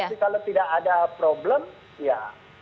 tapi kalau tidak ada problem ya